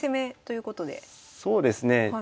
そうですね。